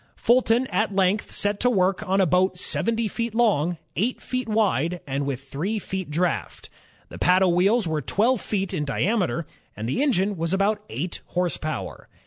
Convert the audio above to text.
Fulton at length set to work on a boat seventy feet long, eight feet wide, and with three feet draft. The paddle wheels were twelve feet in diameter, and the engine was about eight horse power.